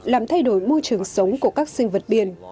làm thay đổi môi trường sống của các sinh vật biển